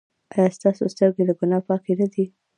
ایا ستاسو سترګې له ګناه پاکې نه دي؟